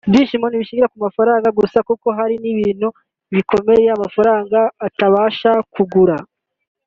Ibyishimo ntibishingira ku mafaranga gusa kuko hari ibintu bikomeye amafaranga atabasha kugura